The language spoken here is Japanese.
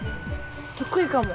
得意かも。